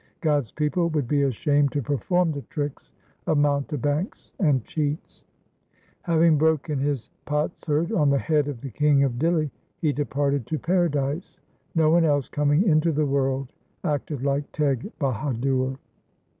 God's people would be ashamed To perform the tricks of mountebanks and cheats. 2 Having broken his potsherd on the head of the King of Dihli he departed to paradise. No one else coming into the world acted like Teg Bahadur.